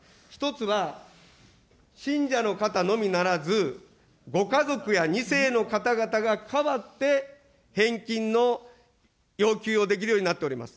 １つは信者の方のみならず、ご家族や２世の方々が代わって返金の要求をできるようになっております。